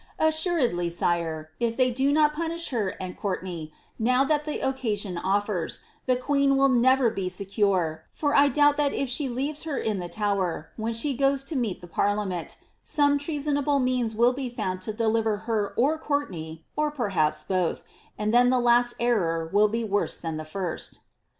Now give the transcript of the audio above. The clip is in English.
Assuredly, sire, if they do not punish her and Courtenay, now that the occasion offers, the queen will never be secure, for I doubt that if she leaves her in the Tower, when she goes to meet the parliament, some trcasonai)le means will be found to deliver her or Courtenay, or perhaps both, and then the last error will be worse than the first."